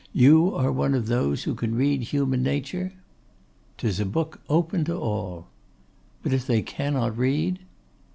'You are one of those who can read human nature?' ''Tis a book open to all.' 'But if they cannot read?